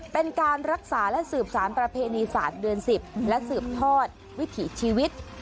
เป็นการรักษาและสืบสารประเพณีศาสตร์เดือน๑๐และสืบทอดวิถีชีวิต